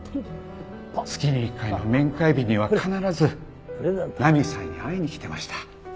月に一回の面会日には必ず菜美さんに会いに来てました。